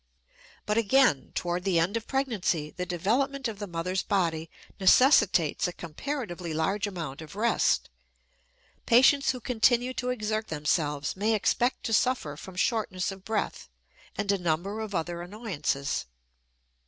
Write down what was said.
But again, toward the end of pregnancy the development of the mother's body necessitates a comparatively large amount of rest; patients who continue to exert themselves may expect to suffer from shortness of breath and a number of other annoyances.